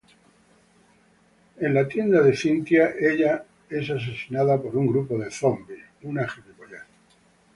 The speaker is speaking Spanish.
En la tienda de Cynthia, ella es asesinada por un grupo de zombies.